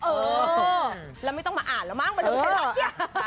เออแล้วไม่ต้องมาอ่านแล้วมั้งไปดูไทยรัฐเกี้ย